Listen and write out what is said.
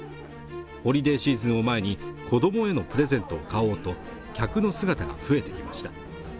ホリデーシーズンを前に子どもへのプレゼントを買おうと客の姿が増えてきました